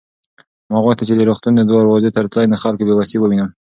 ما غوښتل چې د روغتون د دروازې تر څنګ د خلکو بې وسي ووینم.